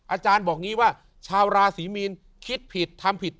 อาจารย์บอกงี้ว่าชาวราศีมีนคิดผิดทำผิด